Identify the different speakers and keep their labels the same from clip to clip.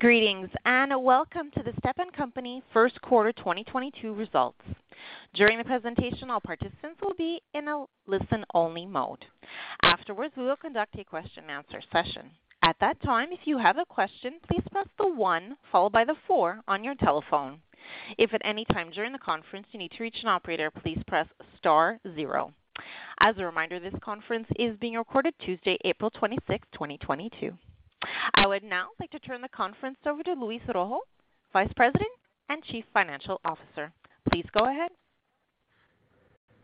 Speaker 1: Greetings, and welcome to the Stepan Company First Quarter 2022 Results. During the presentation, all participants will be in a listen-only mode. Afterwards, we will conduct a question-and-answer session. At that time, if you have a question, please press the one followed by the four on your telephone. If at any time during the conference you need to reach an operator, please press star zero. As a reminder, this conference is being recorded, Tuesday, April 26, 2022. I would now like to turn the conference over to Luis Rojo, Vice President and Chief Financial Officer. Please go ahead.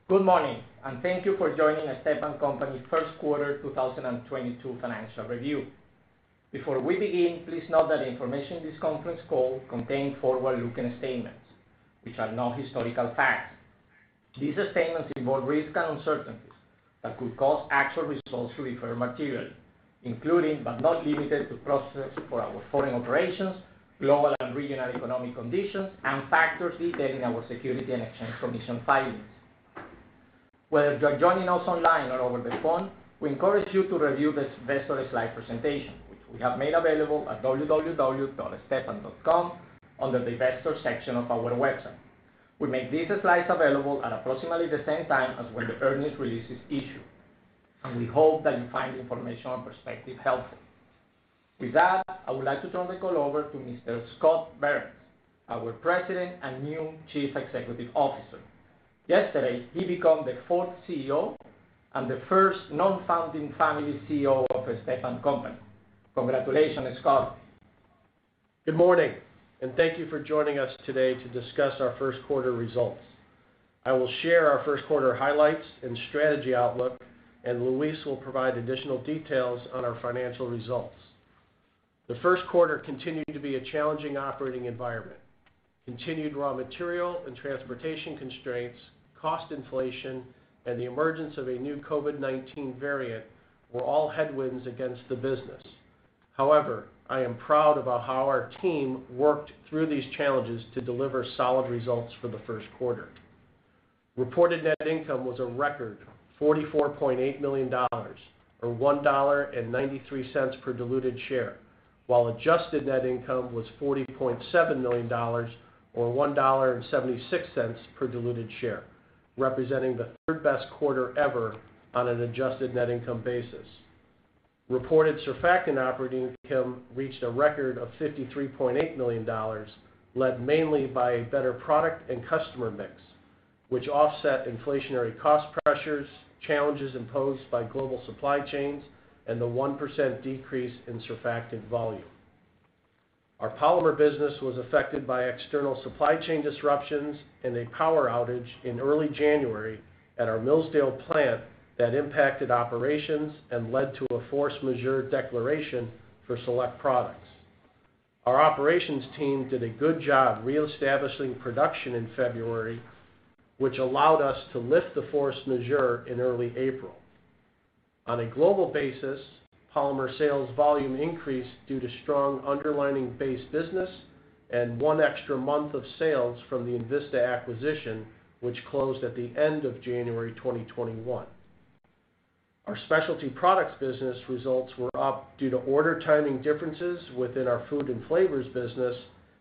Speaker 2: Good morning, and thank you for joining the Stepan Company First Quarter 2022 financial review. Before we begin, please note that the information in this conference call contain forward-looking statements, which are not historical facts. These statements involve risks and uncertainties that could cause actual results to differ materially, including but not limited to processes for our foreign operations, global and regional economic conditions, and factors detailed in our Securities and Exchange Commission filings. Whether you're joining us online or over the phone, we encourage you to review this investor slide presentation, which we have made available at www.stepan.com under the Investors section of our website. We make these slides available at approximately the same time as when the earnings release is issued, and we hope that you find the information and perspective helpful. With that, I would like to turn the call over to Mr. Scott Behrens, our President and new Chief Executive Officer. Yesterday, he became the fourth CEO and the first non-founding family CEO of Stepan Company. Congratulations, Scott.
Speaker 3: Good morning, and thank you for joining us today to discuss our first quarter results. I will share our first quarter highlights and strategy outlook, and Luis will provide additional details on our financial results. The first quarter continued to be a challenging operating environment. Continued raw material and transportation constraints, cost inflation, and the emergence of a new COVID-19 variant were all headwinds against the business. However, I am proud about how our team worked through these challenges to deliver solid results for the first quarter. Reported net income was a record $44.8 million, or $1.93 per diluted share, while adjusted net income was $40.7 million or $1.76 per diluted share, representing the third-best quarter ever on an adjusted net income basis. Reported Surfactants operating income reached a record of $53.8 million, led mainly by a better product and customer mix, which offset inflationary cost pressures, challenges imposed by global supply chains, and the 1% decrease in Surfactants volume. Our Polymers business was affected by external supply chain disruptions and a power outage in early January at our Millsdale plant that impacted operations and led to a force majeure declaration for select products. Our operations team did a good job reestablishing production in February, which allowed us to lift the force majeure in early April. On a global basis, Polymers sales volume increased due to strong underlying base business and one extra month of sales from the INVISTA acquisition, which closed at the end of January 2021. Our Specialty Products business results were up due to order timing differences within our food and flavors business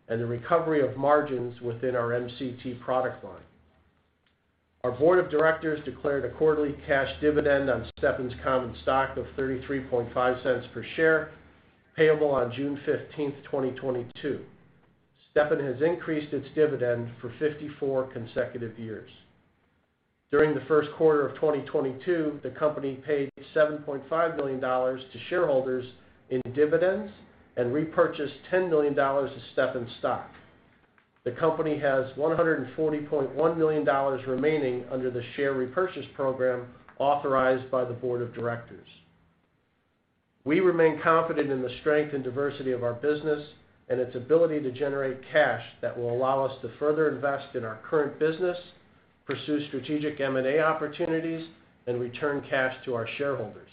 Speaker 3: and the recovery of margins within our MCT product line. Our board of directors declared a quarterly cash dividend on Stepan's common stock of 0.335 per share, payable on June 15, 2022. Stepan has increased its dividend for 54 consecutive years. During the first quarter of 2022, the company paid $7.5 million to shareholders in dividends and repurchased $10 million of Stepan stock. The company has $140.1 million remaining under the share repurchase program authorized by the board of directors. We remain confident in the strength and diversity of our business and its ability to generate cash that will allow us to further invest in our current business, pursue strategic M&A opportunities, and return cash to our shareholders.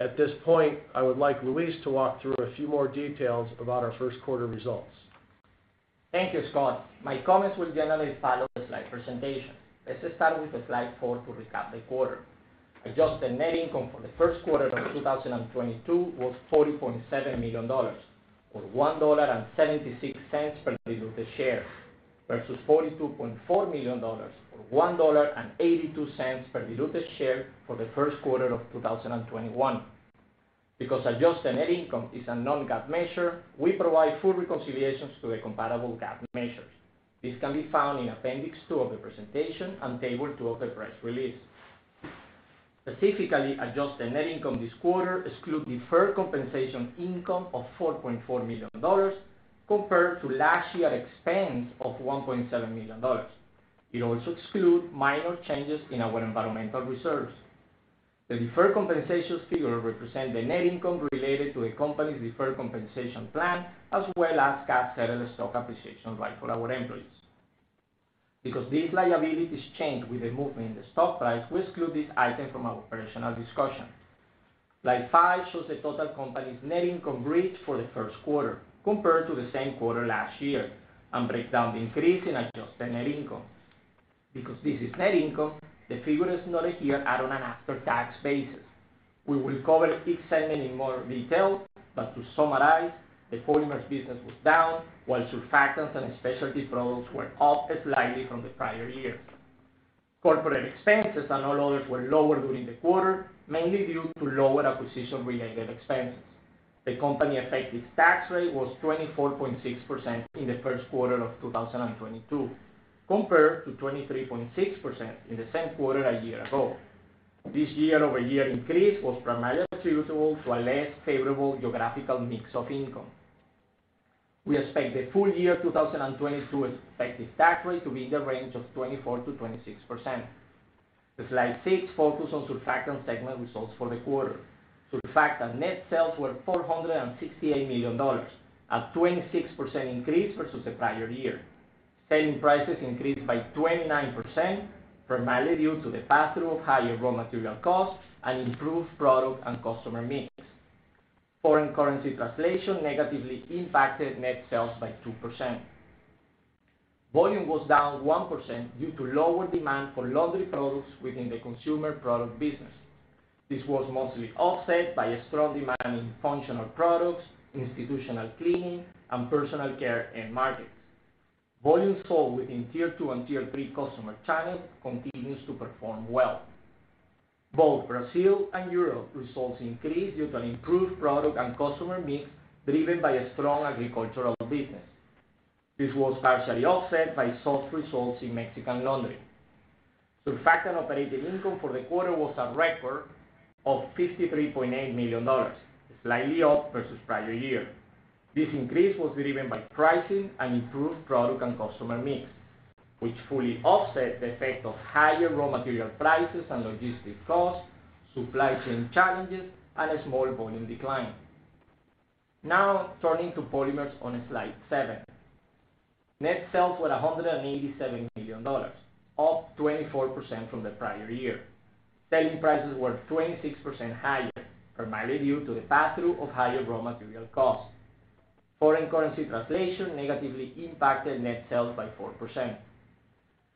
Speaker 3: At this point, I would like Luis to walk through a few more details about our first quarter results.
Speaker 2: Thank you, Scott. My comments will generally follow the slide presentation. Let's start with slide four to recap the quarter. Adjusted net income for the first quarter of 2022 was $40.7 million, or $1.76 per diluted share, versus $42.4 million, or $1.82 per diluted share for the first quarter of 2021. Because adjusted net income is a non-GAAP measure, we provide full reconciliations to the compatible GAAP measures. This can be found in appendix two of the presentation and table two of the press release. Specifically, adjusted net income this quarter exclude deferred compensation income of $4.4 million compared to last year expense of $1.7 million. It also exclude minor changes in our environmental reserves. The deferred compensation figure represents the net income related to a company's deferred compensation plan, as well as cash-settled stock appreciation rights for our employees. Because these liabilities change with the movement in the stock price, we exclude this item from our operational discussion. Slide 5 shows the total company's net income bridge for the first quarter compared to the same quarter last year and breaks down the increase in adjusted net income. Because this is net income, the figure is noted here at an after-tax basis. We will cover each segment in more detail, but to summarize, the Polymers business was down, while Surfactants and Specialty Products were up slightly from the prior year. Corporate expenses and all others were lower during the quarter, mainly due to lower acquisition-related expenses. The company effective tax rate was 24.6% in the first quarter of 2022, compared to 23.6% in the same quarter a year ago. This year-over-year increase was primarily attributable to a less favorable geographical mix of income. We expect the full year 2022 expected tax rate to be in the range of 24%-26%. Slide 6 focus on Surfactants segment results for the quarter. Surfactants net sales were $468 million, a 26% increase versus the prior year. Selling prices increased by 29%, primarily due to the pass-through of higher raw material costs and improved product and customer mix. Foreign currency translation negatively impacted net sales by 2%. Volume was down 1% due to lower demand for laundry products within the consumer product business. This was mostly offset by a strong demand in functional products, institutional cleaning, and personal care end markets. Volumes sold within tier two and tier three customer channels continues to perform well. Both Brazil and Europe results increased due to an improved product and customer mix, driven by a strong agricultural business. This was partially offset by soft results in Mexican laundry. Surfactant operating income for the quarter was a record of $53.8 million, slightly up versus prior year. This increase was driven by pricing and improved product and customer mix, which fully offset the effect of higher raw material prices and logistic costs, supply chain challenges, and a small volume decline. Now, turning to Polymers on slide seven. Net sales were $187 million, up 24% from the prior year. Selling prices were 26% higher, primarily due to the pass-through of higher raw material costs. Foreign currency translation negatively impacted net sales by 4%.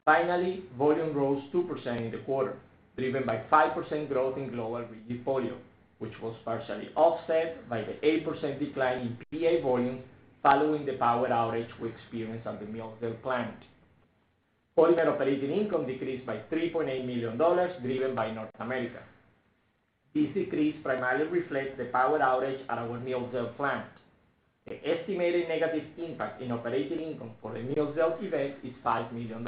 Speaker 2: Finally, volume rose 2% in the quarter, driven by 5% growth in global Rigid Polyols, which was partially offset by the 8% decline in PA volumes following the power outage we experienced at the Millsdale plant. Polymer operating income decreased by $3.8 million, driven by North America. This decrease primarily reflects the power outage at our Millsdale plant. The estimated negative impact in operating income for the Millsdale event is $5 million.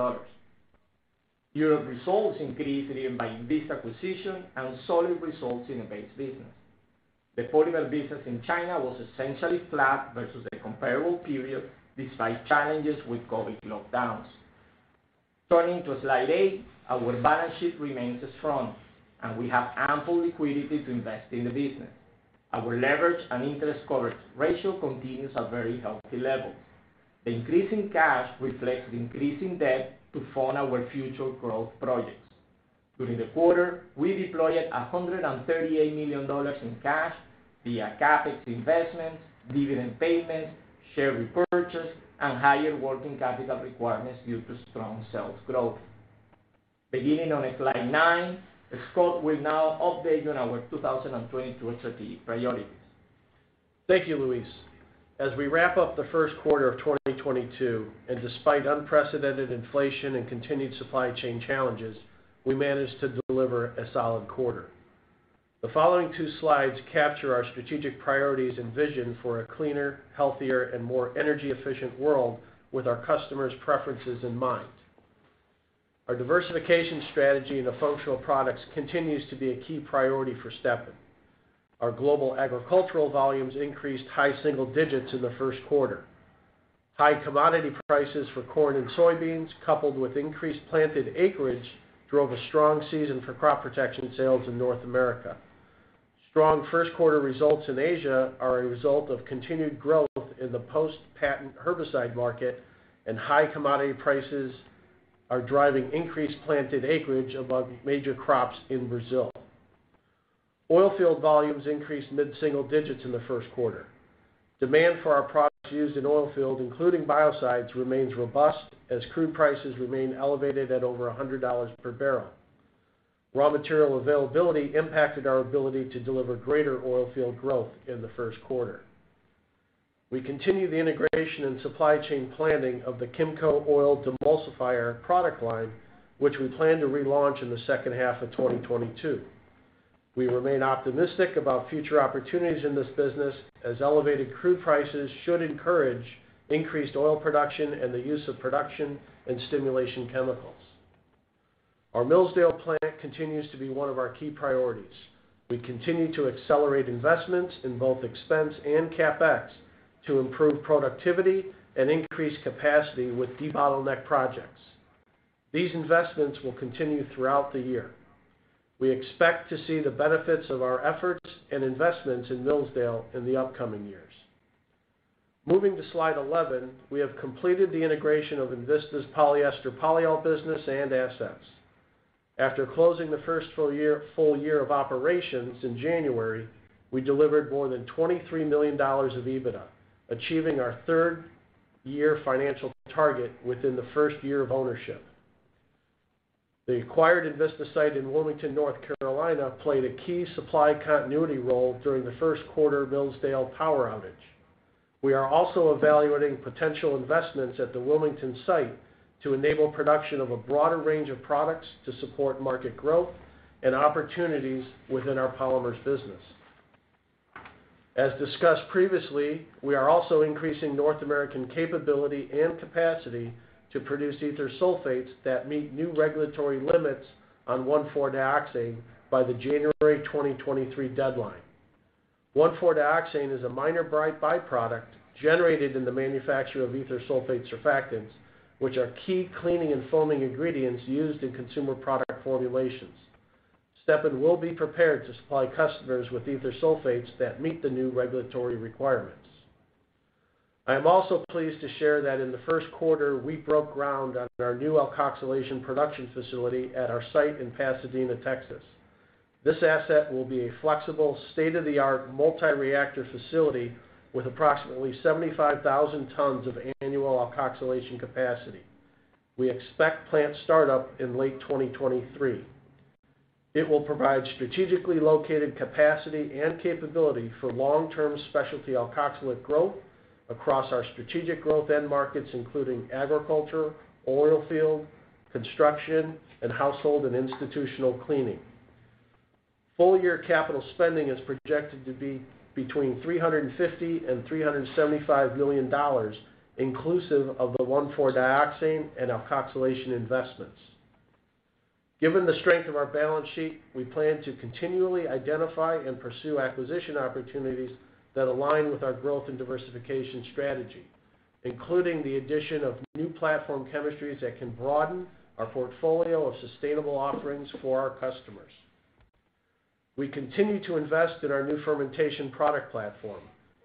Speaker 2: Europe results increased driven by this acquisition and solid results in the base business. The polymer business in China was essentially flat versus the comparable period despite challenges with COVID lockdowns. Turning to slide 8, our balance sheet remains strong, and we have ample liquidity to invest in the business. Our leverage and interest coverage ratio continues at very healthy levels. The increase in cash reflects the increase in debt to fund our future growth projects. During the quarter, we deployed $138 million in cash via CapEx investments, dividend payments, share repurchase, and higher working capital requirements due to strong sales growth. Beginning on slide 9, Scott will now update you on our 2022 strategic priorities.
Speaker 3: Thank you, Luis. As we wrap up the first quarter of 2022, and despite unprecedented inflation and continued supply chain challenges, we managed to deliver a solid quarter. The following 2 slides capture our strategic priorities and vision for a cleaner, healthier, and more energy-efficient world with our customers' preferences in mind. Our diversification strategy in the functional products continues to be a key priority for Stepan. Our global agricultural volumes increased high single digits in the first quarter. High commodity prices for corn and soybeans, coupled with increased planted acreage, drove a strong season for crop protection sales in North America. Strong first quarter results in Asia are a result of continued growth in the post-patent herbicide market, and high commodity prices are driving increased planted acreage above major crops in Brazil. Oilfield volumes increased mid-single digits in the first quarter. Demand for our products used in oilfield, including biocides, remains robust as crude prices remain elevated at over $100 per barrel. Raw material availability impacted our ability to deliver greater oilfield growth in the first quarter. We continue the integration and supply chain planning of the KMCO oil demulsifier product line, which we plan to relaunch in the second half of 2022. We remain optimistic about future opportunities in this business, as elevated crude prices should encourage increased oil production and the use of production and stimulation chemicals. Our Millsdale plant continues to be one of our key priorities. We continue to accelerate investments in both expense and CapEx to improve productivity and increase capacity with debottleneck projects. These investments will continue throughout the year. We expect to see the benefits of our efforts and investments in Millsdale in the upcoming years. Moving to slide 11, we have completed the integration of INVISTA's polyester polyol business and assets. After closing the first full year of operations in January, we delivered more than $23 million of EBITDA, achieving our third year financial target within the first year of ownership. The acquired INVISTA site in Wilmington, North Carolina, played a key supply continuity role during the first quarter Millsdale power outage. We are also evaluating potential investments at the Wilmington site to enable production of a broader range of products to support market growth and opportunities within our Polymers business. As discussed previously, we are also increasing North American capability and capacity to produce ether sulfates that meet new regulatory limits on 1,4-dioxane by the January 2023 deadline. 1,4-dioxane is a minor by-product generated in the manufacture of ether sulfate surfactants, which are key cleaning and foaming ingredients used in consumer product formulations. Stepan will be prepared to supply customers with ether sulfates that meet the new regulatory requirements. I am also pleased to share that in the first quarter, we broke ground on our new alkoxylation production facility at our site in Pasadena, Texas. This asset will be a flexible, state-of-the-art multi-reactor facility with approximately 75,000 tons of annual alkoxylation capacity. We expect plant startup in late 2023. It will provide strategically located capacity and capability for long-term specialty alkoxylate growth across our strategic growth end markets, including agriculture, oil field, construction, and household and institutional cleaning. Full year capital spending is projected to be between 350 million and $375 million, inclusive of the 1,4-dioxane and alkoxylation investments. Given the strength of our balance sheet, we plan to continually identify and pursue acquisition opportunities that align with our growth and diversification strategy, including the addition of new platform chemistries that can broaden our portfolio of sustainable offerings for our customers. We continue to invest in our new fermentation product platform.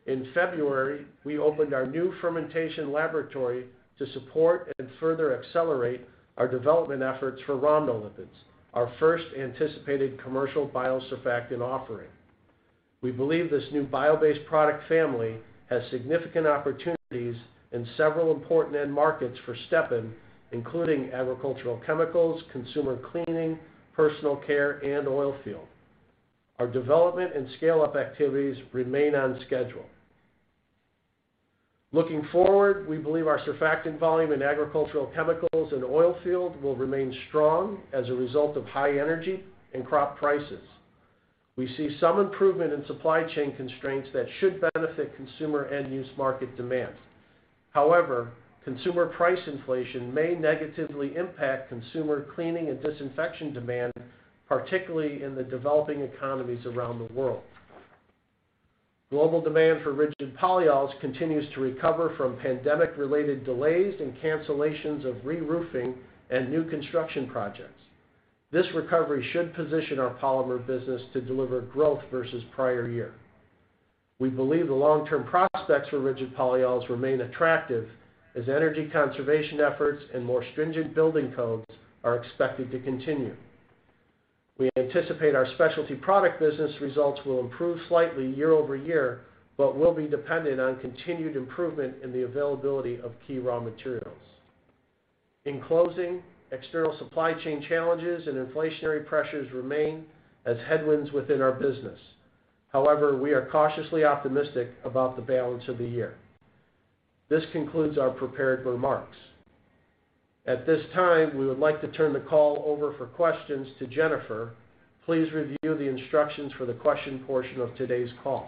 Speaker 3: In February, we opened our new fermentation laboratory to support and further accelerate our development efforts for rhamnolipids, our first anticipated commercial biosurfactant offering. We believe this new bio-based product family has significant opportunities in several important end markets for Stepan, including agricultural chemicals, consumer cleaning, personal care, and oil field. Our development and scale-up activities remain on schedule. Looking forward, we believe our surfactant volume in agricultural chemicals and oil field will remain strong as a result of high energy and crop prices. We see some improvement in supply chain constraints that should benefit consumer end-use market demand. However, consumer price inflation may negatively impact consumer cleaning and disinfection demand, particularly in the developing economies around the world. Global demand for Rigid Polyols continues to recover from pandemic-related delays and cancellations of reroofing and new construction projects. This recovery should position our Polymers business to deliver growth versus prior year. We believe the long-term prospects for Rigid Polyols remain attractive as energy conservation efforts and more stringent building codes are expected to continue. We anticipate our Specialty Products business results will improve slightly year over year, but will be dependent on continued improvement in the availability of key raw materials. In closing, external supply chain challenges and inflationary pressures remain as headwinds within our business. However, we are cautiously optimistic about the balance of the year. This concludes our prepared remarks. At this time, we would like to turn the call over for questions to Jennifer. Please review the instructions for the question portion of today's call.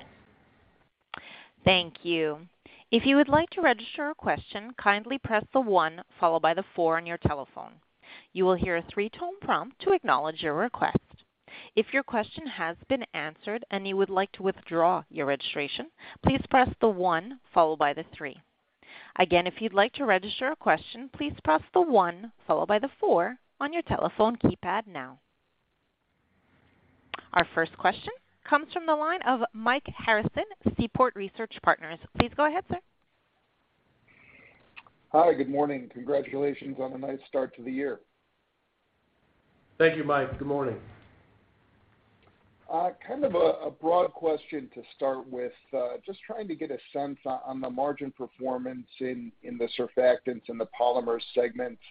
Speaker 1: Our first question comes from the line of Mike Harrison, Seaport Research Partners. Please go ahead, sir.
Speaker 4: Hi. Good morning. Congratulations on a nice start to the year.
Speaker 3: Thank you, Mike. Good morning.
Speaker 4: Kind of a broad question to start with, just trying to get a sense on the margin performance in the Surfactants and the Polymers segments.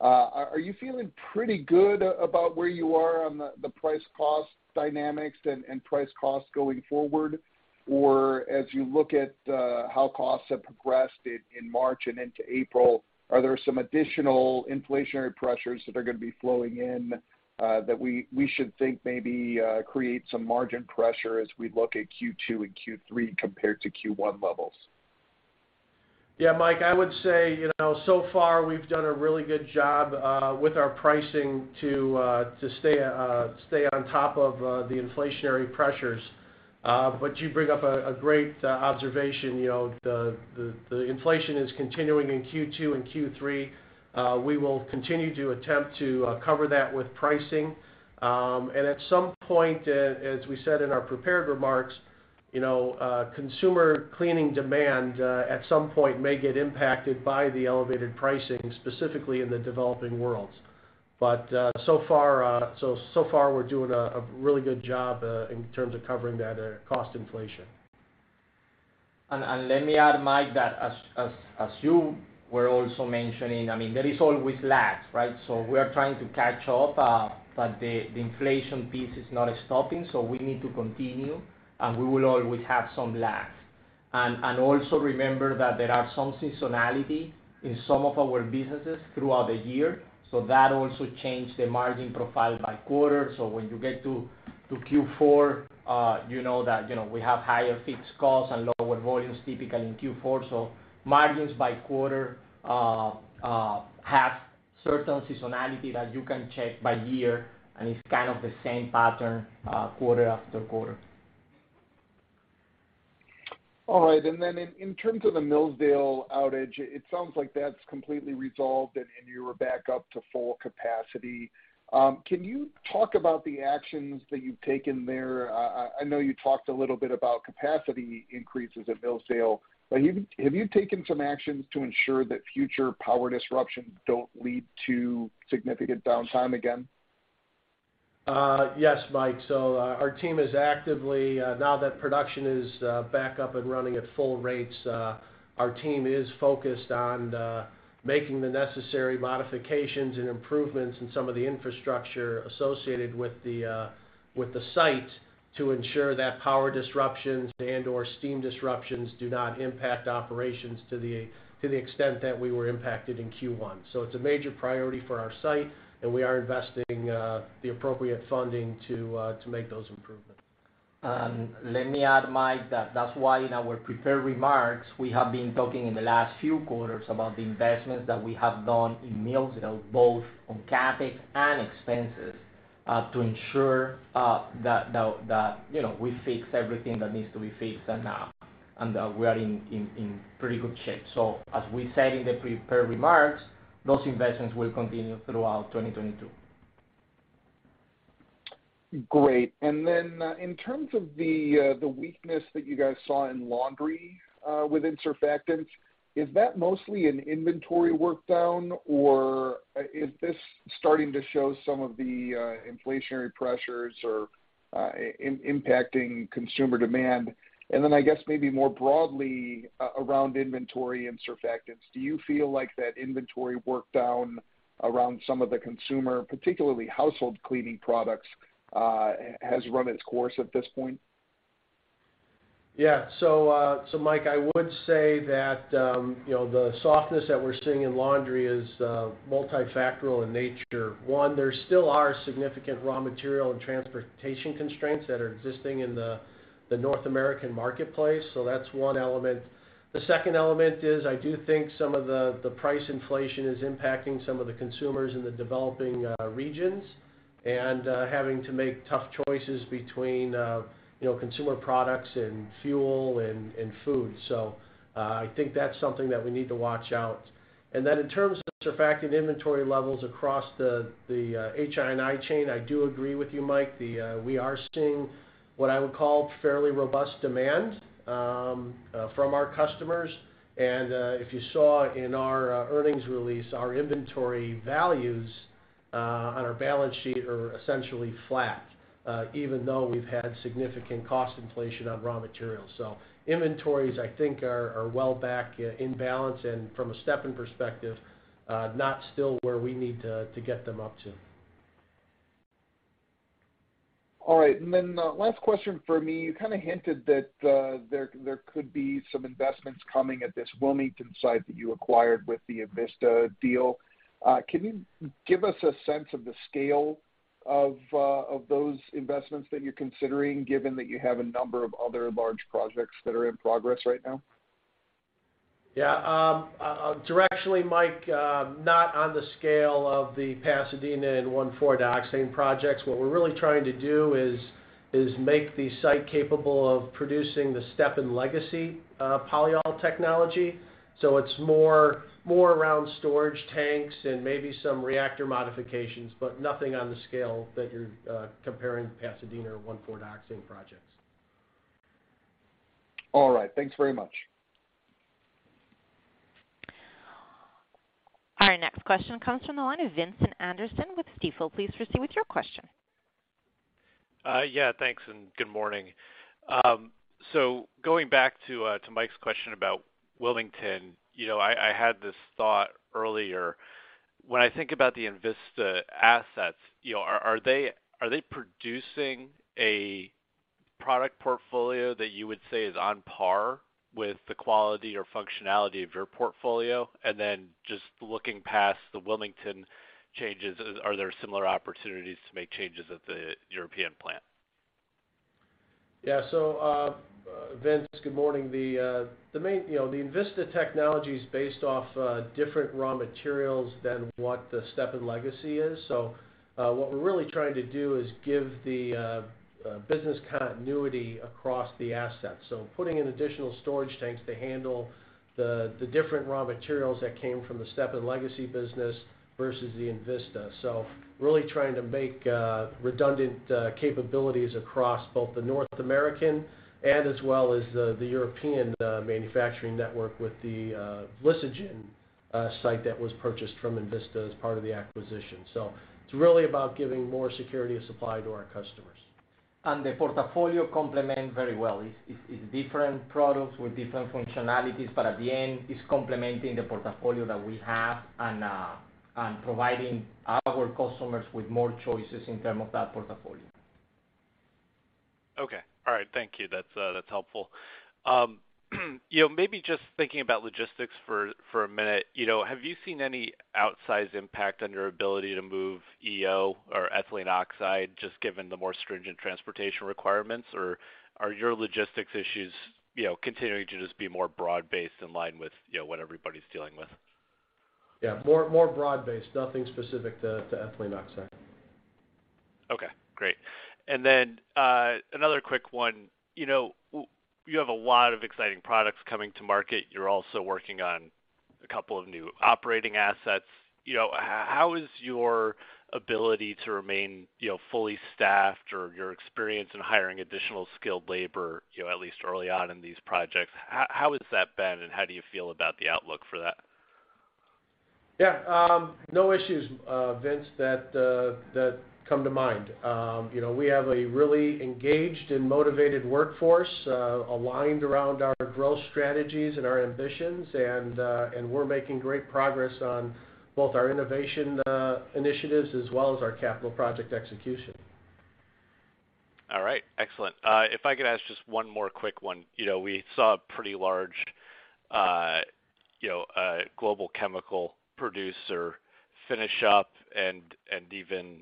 Speaker 4: Are you feeling pretty good about where you are on the price cost dynamics and price cost going forward? Or as you look at how costs have progressed in March and into April, are there some additional inflationary pressures that are gonna be flowing in that we should think maybe create some margin pressure as we look at Q2 and Q3 compared to Q1 levels?
Speaker 3: Yeah, Mike, I would say, you know, so far we've done a really good job with our pricing to stay on top of the inflationary pressures. You bring up a great observation. You know, the inflation is continuing in Q2 and Q3. We will continue to attempt to cover that with pricing. At some point, as we said in our prepared remarks, you know, consumer cleaning demand at some point may get impacted by the elevated pricing, specifically in the developing worlds. So far we're doing a really good job in terms of covering that cost inflation.
Speaker 2: Let me add, Mike, that as you were also mentioning, I mean, there is always lags, right? We are trying to catch up, but the inflation piece is not stopping, so we need to continue, and we will always have some lags. Also remember that there are some seasonality in some of our businesses throughout the year, so that also change the margin profile by quarter. When you get to Q4, you know that we have higher fixed costs and lower volumes typically in Q4. Margins by quarter have certain seasonality that you can check by year, and it's kind of the same pattern quarter after quarter.
Speaker 4: Right. In terms of the Millsdale outage, it sounds like that's completely resolved, and you were back up to full capacity. Can you talk about the actions that you've taken there? I know you talked a little bit about capacity increases at Millsdale, but have you taken some actions to ensure that future power disruptions don't lead to significant downtime again?
Speaker 3: Yes, Mike. Our team is actively, now that production is back up and running at full rates, our team is focused on making the necessary modifications and improvements in some of the infrastructure associated with the site to ensure that power disruptions and/or steam disruptions do not impact operations to the extent that we were impacted in Q1. It's a major priority for our site, and we are investing the appropriate funding to make those improvements.
Speaker 2: Let me add, Mike, that that's why in our prepared remarks, we have been talking in the last few quarters about the investments that we have done in Millsdale, both on CapEx and expenses, to ensure that you know we fix everything that needs to be fixed, and we are in pretty good shape. As we said in the prepared remarks, those investments will continue throughout 2022.
Speaker 4: Great. Then, in terms of the weakness that you guys saw in laundry within Surfactants, is that mostly an inventory workdown, or is this starting to show some of the inflationary pressures or impacting consumer demand? Then I guess maybe more broadly around inventory and Surfactants, do you feel like that inventory workdown around some of the consumer, particularly household cleaning products, has run its course at this point?
Speaker 3: Yeah, Mike, I would say that, you know, the softness that we're seeing in laundry is multifactorial in nature. One, there still are significant raw material and transportation constraints that are existing in the North American marketplace, so that's one element. The second element is I do think some of the price inflation is impacting some of the consumers in the developing regions and having to make tough choices between, you know, consumer products and fuel and food. I think that's something that we need to watch out. Then in terms of surfactant inventory levels across the HI&I chain, I do agree with you, Mike. We are seeing what I would call fairly robust demand from our customers. If you saw in our earnings release, our inventory values on our balance sheet are essentially flat, even though we've had significant cost inflation on raw materials. Inventories, I think, are well back in balance, and from a Stepan perspective, not still where we need to get them up to.
Speaker 4: All right. Last question for me. You kinda hinted that there could be some investments coming at this Wilmington site that you acquired with the INVISTA deal. Can you give us a sense of the scale of those investments that you're considering, given that you have a number of other large projects that are in progress right now?
Speaker 3: Yeah. Directionally, Mike, not on the scale of the Pasadena and 1,4-dioxane projects. What we're really trying to do is make the site capable of producing the Stepan legacy polyol technology. It's more around storage tanks and maybe some reactor modifications, but nothing on the scale that you're comparing to Pasadena or 1,4-dioxane projects.
Speaker 4: All right. Thanks very much.
Speaker 1: Our next question comes from the line of Vincent Anderson with Stifel. Please proceed with your question.
Speaker 5: Yeah, thanks and good morning. Going back to Mike's question about Wilmington, you know, I had this thought earlier. When I think about the INVISTA assets, you know, are they producing a product portfolio that you would say is on par with the quality or functionality of your portfolio? Just looking past the Wilmington changes, are there similar opportunities to make changes at the European plant?
Speaker 3: Yeah. Vince, good morning. The main, you know, the INVISTA technology is based off different raw materials than what the Stepan legacy is. What we're really trying to do is give the business continuity across the assets, putting in additional storage tanks to handle the different raw materials that came from the Stepan legacy business versus the INVISTA. Really trying to make redundant capabilities across both the North American and as well as the European manufacturing network with the Vlissingen site that was purchased from INVISTA as part of the acquisition. It's really about giving more security of supply to our customers.
Speaker 2: The portfolio complements very well. It's different products with different functionalities, but at the end, it's complementing the portfolio that we have and providing our customers with more choices in terms of that portfolio.
Speaker 5: Okay. All right. Thank you. That's helpful. You know, maybe just thinking about logistics for a minute, you know, have you seen any outsized impact on your ability to move EO or ethylene oxide just given the more stringent transportation requirements? Or are your logistics issues, you know, continuing to just be more broad-based in line with, you know, what everybody's dealing with?
Speaker 3: Yeah, more broad-based. Nothing specific to ethylene oxide.
Speaker 5: Okay, great. Another quick one. You know, you have a lot of exciting products coming to market. You're also working on a couple of new operating assets. You know, how is your ability to remain, you know, fully staffed or your experience in hiring additional skilled labor, you know, at least early on in these projects, how has that been, and how do you feel about the outlook for that?
Speaker 3: Yeah. No issues, Vince, that come to mind. You know, we have a really engaged and motivated workforce aligned around our growth strategies and our ambitions. We're making great progress on both our innovation initiatives as well as our capital project execution.
Speaker 5: All right. Excellent. If I could ask just one more quick one. You know, we saw a pretty large, you know, a global chemical producer finish up and even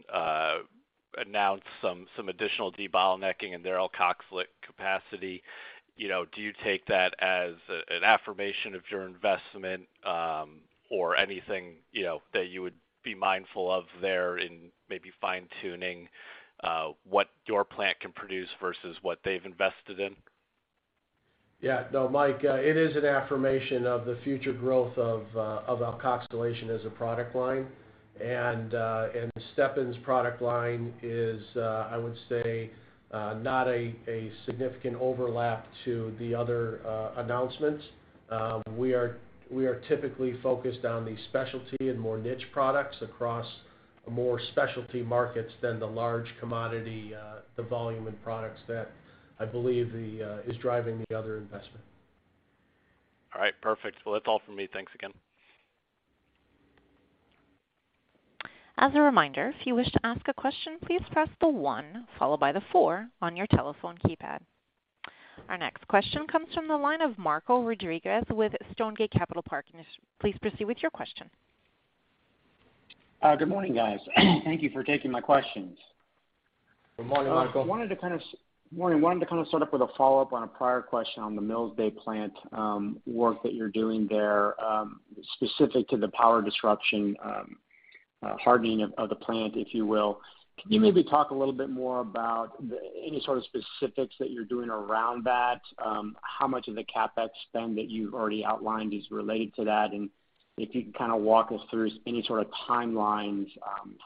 Speaker 5: announce some additional debottlenecking in their alkoxylate capacity. You know, do you take that as an affirmation of your investment or anything, you know, that you would be mindful of there in maybe fine-tuning what your plant can produce versus what they've invested in?
Speaker 3: Yeah. No, mike, it is an affirmation of the future growth of alkoxylation as a product line. Stepan's product line is, I would say, not a significant overlap to the other announcements. We are typically focused on the specialty and more niche products across more specialty markets than the large commodity volume in products that I believe is driving the other investment.
Speaker 5: All right. Perfect. Well, that's all for me. Thanks again.
Speaker 1: As a reminder, if you wish to ask a question, please press 1 followed by four on your telephone keypad. Our next question comes from the line of Marco Rodriguez with Stonegate Capital Partners. Please proceed with your question.
Speaker 6: Good morning, guys. Thank you for taking my questions.
Speaker 2: Good morning, Marco.
Speaker 6: Wanted to kind of start up with a follow-up on a prior question on the Millsdale plant, work that you're doing there, specific to the power disruption, hardening of the plant, if you will. Can you maybe talk a little bit more about any sort of specifics that you're doing around that? How much of the CapEx spend that you've already outlined is related to that? If you can kind of walk us through any sort of timelines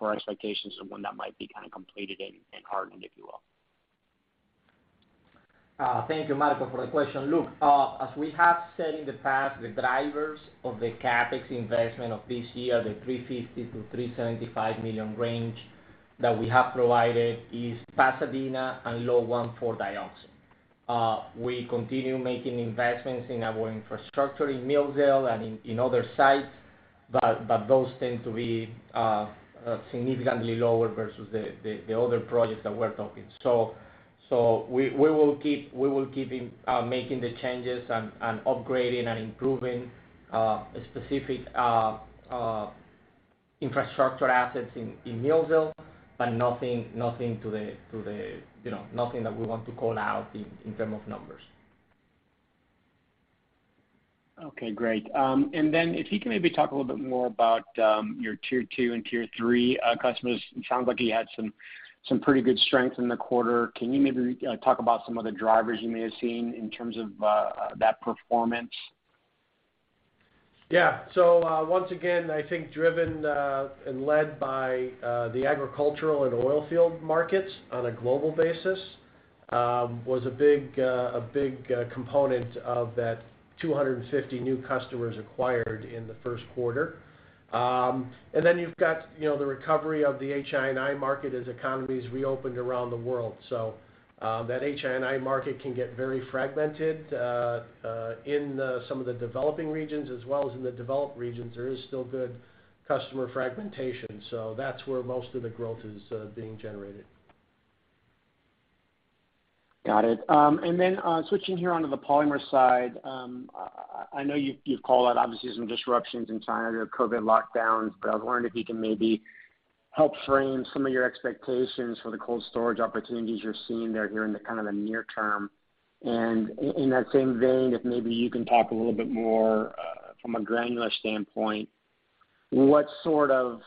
Speaker 6: or expectations of when that might be kind of completed and hardened, if you will.
Speaker 2: Thank you, Marco, for the question. Look, as we have said in the past, the drivers of the CapEx investment of this year, the 350 million-375 million range that we have provided is Pasadena and low 1,4-dioxane. We continue making investments in our infrastructure in Millsdale and in other sites, but those tend to be significantly lower versus the other projects that we're talking. We will keep making the changes and upgrading and improving specific infrastructure assets in Millsdale, but nothing to the, you know, nothing that we want to call out in terms of numbers.
Speaker 6: Okay, great. If you can maybe talk a little bit more about your tier two and tier three customers. It sounds like you had some pretty good strength in the quarter. Can you maybe talk about some of the drivers you may have seen in terms of that performance?
Speaker 3: Once again, I think driven and led by the agricultural and oil field markets on a global basis was a big component of that 250 new customers acquired in the first quarter. You've got, you know, the recovery of the HI&I market as economies reopened around the world. That HI&I market can get very fragmented in some of the developing regions as well as in the developed regions. There is still good customer fragmentation. That's where most of the growth is being generated.
Speaker 6: Got it. Switching here onto the Polymers side. I know you've called out obviously some disruptions in China, COVID lockdowns, but I was wondering if you can maybe help frame some of your expectations for the cold storage opportunities you're seeing there here in the kind of the near term. In that same vein, if maybe you can talk a little bit more from a granular standpoint, what sort of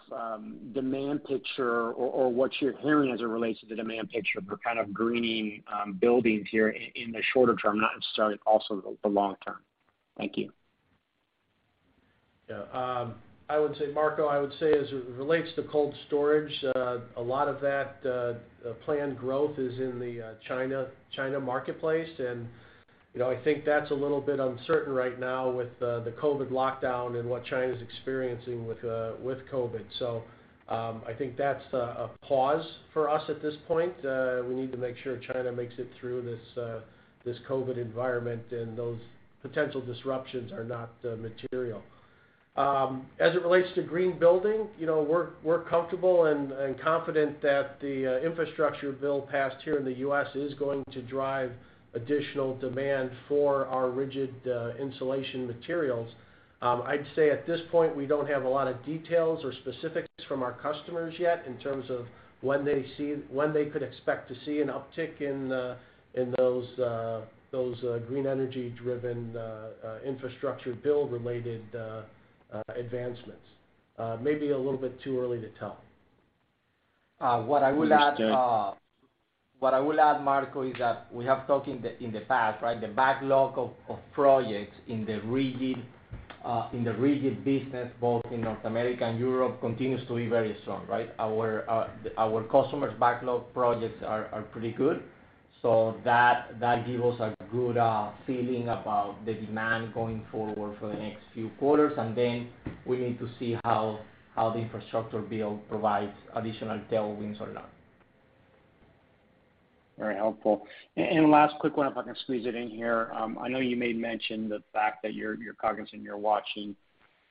Speaker 6: demand picture or what you're hearing as it relates to the demand picture for kind of greening buildings here in the shorter term, not necessarily also the long term. Thank you.
Speaker 3: Yeah. I would say, Marco, as it relates to cold storage, a lot of that planned growth is in the China marketplace. You know, I think that's a little bit uncertain right now with the COVID lockdown and what China's experiencing with COVID. I think that's a pause for us at this point. We need to make sure China makes it through this COVID environment, and those potential disruptions are not material. As it relates to green building, you know, we're comfortable and confident that the infrastructure bill passed here in the U.S. is going to drive additional demand for our rigid insulation materials. I'd say at this point, we don't have a lot of details or specifics from our customers yet in terms of when they could expect to see an uptick in those green energy-driven infrastructure bill related advancements. Maybe a little bit too early to tell.
Speaker 2: What I will add.
Speaker 3: Mr.
Speaker 2: What I will add, Marco, is that we have talked in the past, right? The backlog of projects in the rigid business, both in North America and Europe, continues to be very strong, right? Our customers' backlog projects are pretty good, so that gives us a good feeling about the demand going forward for the next few quarters. We need to see how the infrastructure bill provides additional tailwinds or not.
Speaker 6: Very helpful. Last quick one, if I can squeeze it in here. I know you may mention the fact that you're cognizant, you're watching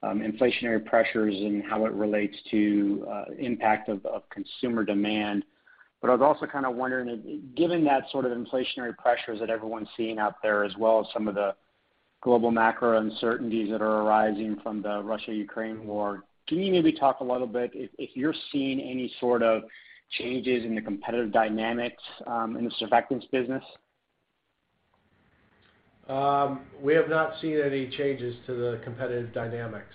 Speaker 6: inflationary pressures and how it relates to impact of consumer demand. I was also kind of wondering, given that sort of inflationary pressures that everyone's seeing out there, as well as some of the global macro uncertainties that are arising from the Russia-Ukraine war, can you maybe talk a little bit if you're seeing any sort of changes in the competitive dynamics in the Surfactants business?
Speaker 3: We have not seen any changes to the competitive dynamics.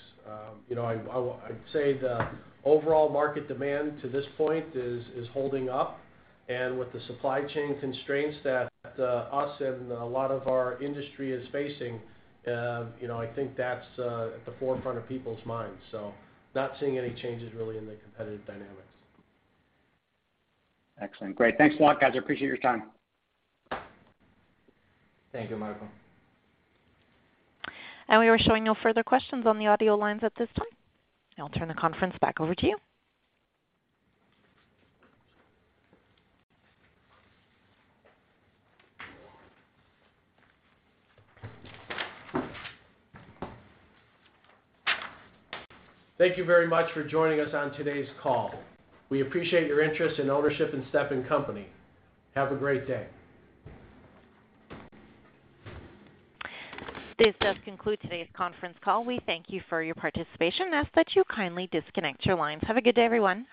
Speaker 3: You know, I would say the overall market demand to this point is holding up. With the supply chain constraints that we and a lot of our industry is facing, you know, I think that's at the forefront of people's minds. Not seeing any changes really in the competitive dynamics.
Speaker 6: Excellent. Great. Thanks a lot, guys. I appreciate your time.
Speaker 2: Thank you, Marco.
Speaker 1: We are showing no further questions on the audio lines at this time. I'll turn the conference back over to you.
Speaker 3: Thank you very much for joining us on today's call. We appreciate your interest in ownership in Stepan Company. Have a great day.
Speaker 1: This does conclude today's conference call. We thank you for your participation and ask that you kindly disconnect your lines. Have a good day, everyone.